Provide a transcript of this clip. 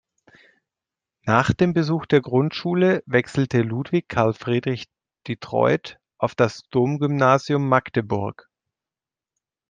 Nach dem Besuch der Grundschule wechselte Ludwig Karl Friedrich Detroit auf das Domgymnasium Magdeburg.